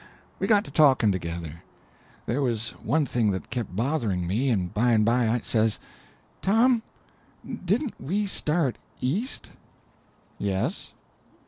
We got to talking together. There was one thing that kept bothering me, and by and by I says: "Tom, didn't we start east?" "Yes."